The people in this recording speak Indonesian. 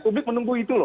publik menunggu itu loh